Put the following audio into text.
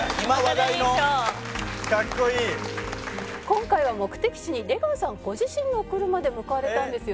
今回は目的地に出川さんご自身のお車で向かわれたんですよね？